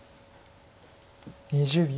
２０秒。